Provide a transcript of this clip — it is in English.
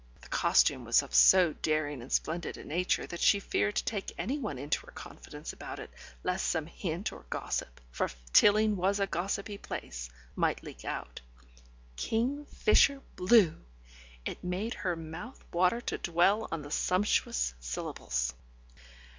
But the costume was of so daring and splendid a nature that she feared to take anyone into her confidence about it, lest some hint or gossip for Tilling was a gossipy place might leak out. Kingfisher blue! It made her mouth water to dwell on the sumptuous syllables!